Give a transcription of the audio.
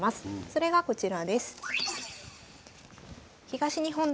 それがこちらです。